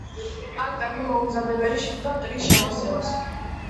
არტაგი მოუმზადებელი შეხვდა მტრის შემოსევას.